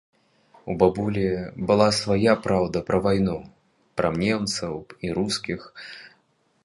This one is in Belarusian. У бабулі была свая праўда пра вайну, пра немцаў і рускіх.